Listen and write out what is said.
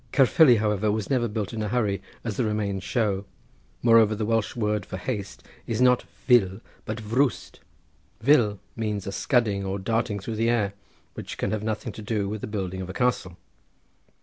Caerfili, however, was never built in a hurry, as the remains show. Moreover the Welsh word for haste is not fil but ffrwst. Fil means a scudding or darting through the air, which can have nothing to do with the building of a castle.